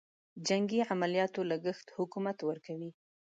جنګي عملیاتو لګښت حکومت ورکوي.